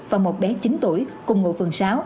và một bé chín tuổi cùng ngụ phường sáu